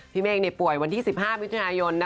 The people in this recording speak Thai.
พี่เมฆเป็นป่วยวันที่๑๕มิถุนายน